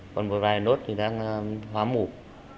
còn một vài nốt thì đang hoa mọc